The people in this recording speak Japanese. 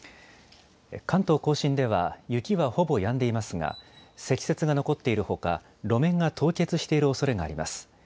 関東甲信では雪はほぼやんでいますが積雪が残っているほか、路面が凍結しているおそれがあります。